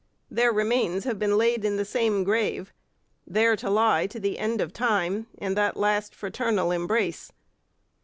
Their remains have been laid in the same grave, there to lie to the end of time in that last fraternal embrace.